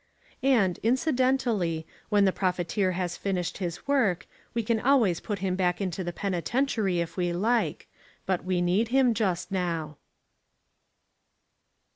And incidentally, when the profiteer has finished his work, we can always put him back into the penitentiary if we like. But we need him just now.